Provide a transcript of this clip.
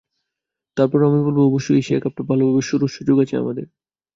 তারপরও আমি বলব, অবশ্যই এশিয়া কাপটা ভালোভাবে শুরুর সুযোগ আছে আমাদের।